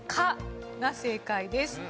蚊が正解です。